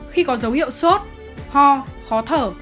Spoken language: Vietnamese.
khi có dấu hiệu sốt ho khó thở